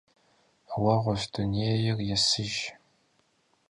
Уэгъущ дунейр, есыж.